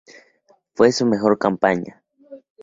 Fue su mejor campaña.